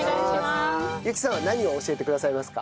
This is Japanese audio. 友紀さんは何を教えてくださいますか？